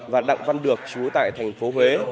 và đặng văn được chú tại thành phố huế